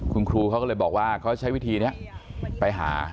คุณครูเขาก็เลยบอกว่าเขาใช้วิธีนี้ไปหา